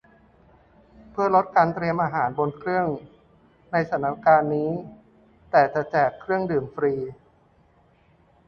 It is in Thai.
เพื่อลดการเตรียมอาหารบนเครื่องในสถานการณ์นี้ แต่จะแจกเครื่องดื่มฟรี